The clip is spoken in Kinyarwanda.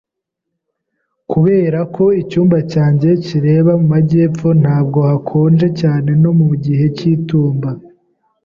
Kubera ko icyumba cyanjye kireba mu majyepfo, ntabwo hakonje cyane no mu gihe cy'itumba.